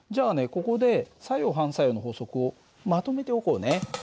ここで作用・反作用の法則をまとめておこうね。